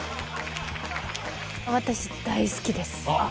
私大好きです。